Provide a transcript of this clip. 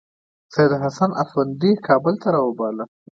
سیدحسن افندي کابل ته راوباله.